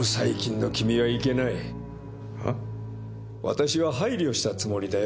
私は配慮したつもりだよ